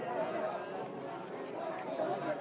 เมื่อเวลาอันดับสุดท้ายเมื่อเวลาอันดับสุดท้าย